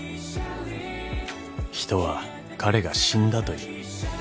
人は彼が死んだという。